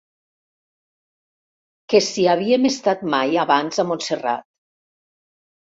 Que si havíem estat mai abans a Montserrat.